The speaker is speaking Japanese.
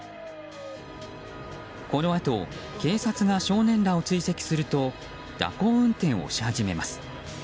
このあと、警察が少年らを追跡すると蛇行運転をし始めます。